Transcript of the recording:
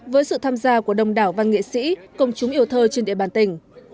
với sự tham gia của đông đảo văn nghệ sĩ công chúng yêu thơ trên địa bàn tỉnh